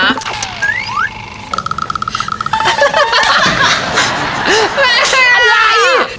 แม่อะไร